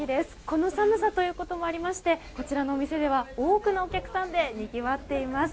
この寒さということもありましてこちらのお店では多くのお客さんでにぎわっています。